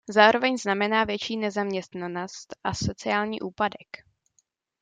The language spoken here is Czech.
Zároveň znamená větší nezaměstnanost a sociální úpadek.